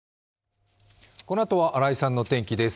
このあとは新井さんの天気です。